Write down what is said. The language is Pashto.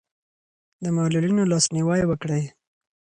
د معلولینو لاسنیوی وکړئ.